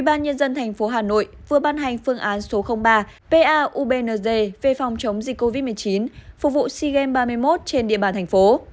ubnd tp hà nội vừa ban hành phương án số ba pa ubnz về phòng chống dịch covid một mươi chín phục vụ sigem ba mươi một trên địa bàn thành phố